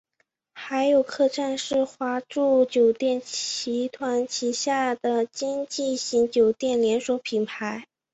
海友客栈是华住酒店集团旗下的经济型酒店连锁品牌。